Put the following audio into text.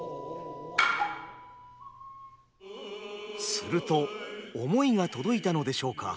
すると想いが届いたのでしょうか。